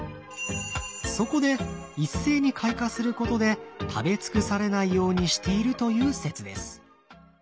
そこで一斉に開花することで食べ尽くされないようにしているという説です。